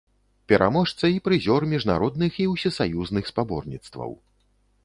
Пераможца і прызёр міжнародных і усесаюзных спаборніцтваў.